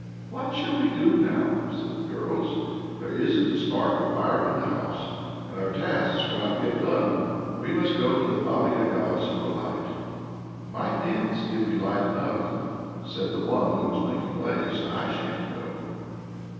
"What shall we do now?" said the girls. "There isn't a spark of fire in the house, and our tasks are not yet done. We must go to the Baba Yaga's for a light!" "My pins give me light enough," said the one who was making lace. "I shan't go."